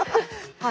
はい。